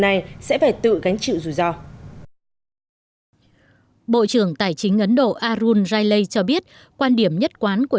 ảo tự gánh trị rủi ro bộ trưởng tài chính ấn độ arun railay cho biết quan điểm nhất quán của